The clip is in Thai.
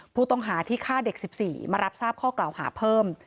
ผู้ต้องหาที่ฆ่าเด็ก๑๔มารับทราบข้อกล่าวหาเพิ่ม